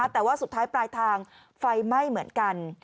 แต่ว่าสุดท้ายปลายทางไฟไหม้เหมือนกัน